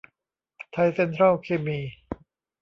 ไทยเซ็นทรัลเคมี